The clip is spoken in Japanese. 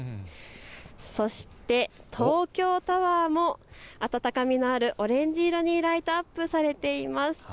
そして東京タワーもあたたかみのあるオレンジ色にライトアップされています。